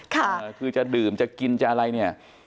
คือจะดื่มจะกินจะอะไรเนี่ย